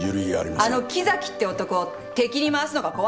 あの木崎って男敵に回すのが怖いんでしょ？